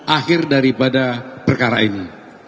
akhir daripada perkara ini